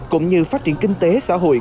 cũng như phát triển kinh tế xã hội